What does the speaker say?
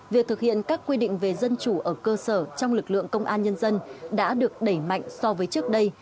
việc thực hiện các quy định về dân chủ ở cơ sở trong lực lượng công an nhân dân đã được đẩy mạnh so với trước đây